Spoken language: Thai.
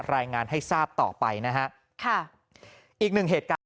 รายงานให้ทราบต่อไปนะครับอีก๑เหตุ